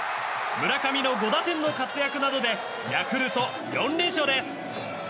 村上の５打点の活躍などでヤクルト、４連勝です！